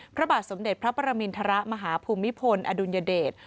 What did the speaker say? พระบาทสมเด็จพระปรมินทรมาฮภูมิพลอดุลยเดช